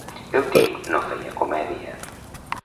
El Tim no feia comèdia.